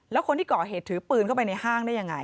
แล้วคนที่ก่อเหตุถือปืนเข้าไปในห้างได้ยังไง